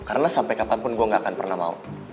karena sampai kapanpun gue gak akan pernah mau